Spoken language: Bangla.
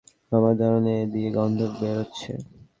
আমার ধারণা এ দিয়ে গন্ধ বেরোচ্ছে!